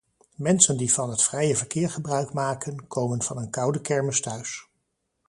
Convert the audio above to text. Mensen die van het vrije verkeer gebruik maken, komen van een koude kermis thuis.